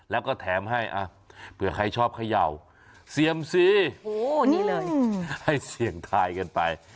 แล้วก็แถมให้เผื่อใครชอบเขย่าเซียมซีนี่เลยให้เสี่ยงทายกันไป